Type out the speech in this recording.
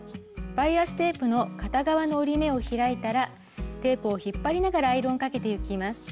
バイアステープの片側の折り目を開いたらテープを引っ張りながらアイロンをかけてゆきます。